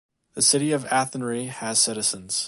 The city of Athenry has citizens.